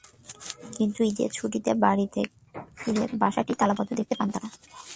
কিন্তু ঈদের ছুটিতে বাড়ি থেকে ফিরে বাসাটি তালাবদ্ধ দেখতে পান তাঁরা।